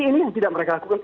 ini yang tidak mereka lakukan